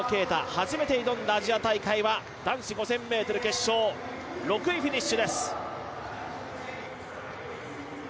初めて挑んだアジア大会は男子５０００ｍ決勝６位フィニッシュです。